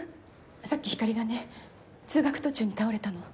さっきひかりがね通学途中に倒れたの。